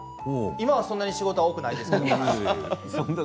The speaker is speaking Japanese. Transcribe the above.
今はそんなに仕事が多くないですけど。